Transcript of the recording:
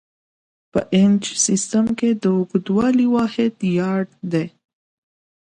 په انچ سیسټم کې د اوږدوالي واحد یارډ دی.